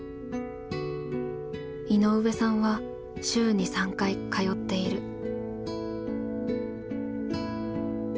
井上さんは週に３回通っている。